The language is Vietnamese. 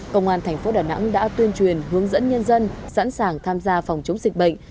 công an thành phố đà nẵng đã tuyên truyền hướng dẫn nhân dân sẵn sàng tham gia phòng chống dịch bệnh